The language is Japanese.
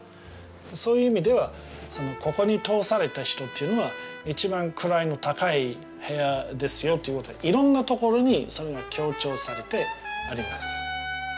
そういう意味ではここに通された人というのは一番位の高い部屋ですよということでいろんなところにそれが強調されてあります。